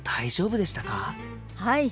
はい。